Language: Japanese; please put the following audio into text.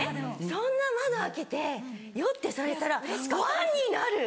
そんな窓開けて「よっ」てされたらファンになる！